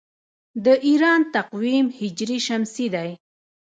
د ایران تقویم هجري شمسي دی.